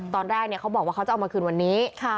ตอนแรกเขาบอกว่าเขาจะเอามาคืนวันนี้